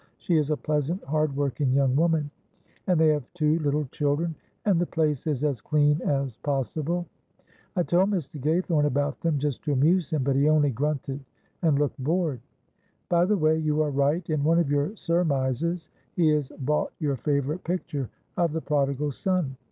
She is a pleasant, hard working young woman, and they have two little children, and the place is as clean as possible. I told Mr. Gaythorne about them just to amuse him, but he only grunted and looked bored. By the way, you are right in one of your surmises he has bought your favourite picture of the Prodigal Son.